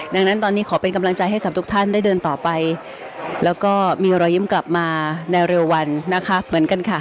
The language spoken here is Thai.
ดังนั้นตอนนี้ขอเป็นกำลังใจให้กับทุกท่านได้เดินต่อไปแล้วก็มีรอยยิ้มกลับมาในเร็ววันนะคะเหมือนกันค่ะ